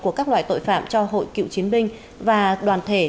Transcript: của các loại tội phạm cho hội cựu chiến binh và đoàn thể